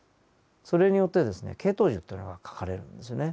それによってですね系統樹というのが描かれるんですよね。